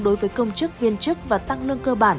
đối với công chức viên chức và tăng lương cơ bản